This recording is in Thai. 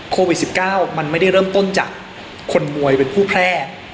โควิด๑๙มันไม่ได้เริ่มต้นจากคนมวยเป็นผู้แพร่